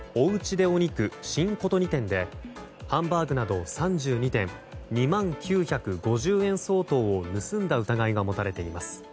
ｄｅお肉新琴似店でハンバーグなど３２点２万９５０円相当を盗んだ疑いが持たれています。